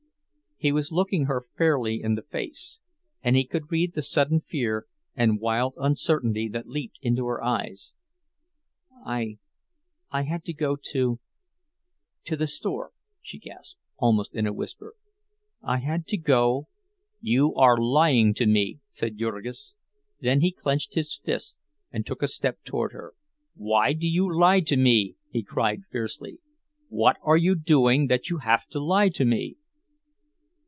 He was looking her fairly in the face, and he could read the sudden fear and wild uncertainty that leaped into her eyes. "I—I had to go to—to the store," she gasped, almost in a whisper, "I had to go—" "You are lying to me," said Jurgis. Then he clenched his hands and took a step toward her. "Why do you lie to me?" he cried, fiercely. "What are you doing that you have to lie to me?"